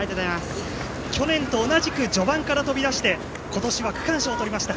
去年と同じく序盤から飛び出して今年は区間賞をとりました。